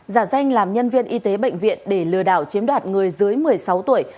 giả danh làm nhân viên y tế bệnh viện để lừa đảo chiếm đoạt người dưới một mươi sáu tuổi